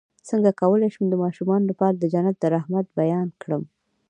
څنګه کولی شم د ماشومانو لپاره د جنت د رحمت بیان کړم